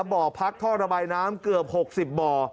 บ่อพักท่อระบายน้ำเกือบ๖๐บ่อ